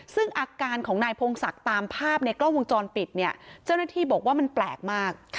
ซึ่งอาการของนายพงศักดิ์ตามภาพในกล้องวงจรปิดเนี่ยเจ้าหน้าที่บอกว่ามันแปลกมาก